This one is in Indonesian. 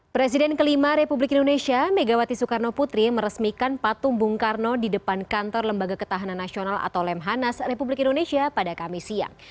presiden kelima republik indonesia megawati soekarno putri meresmikan patung bung karno di depan kantor lembaga ketahanan nasional atau lemhanas republik indonesia pada kamis siang